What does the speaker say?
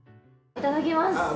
いただきます。